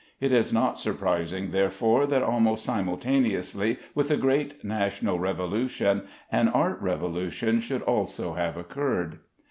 It is not surprising, therefore, that almost simultaneously with the great national Revolution, an art revolution should also have occurred.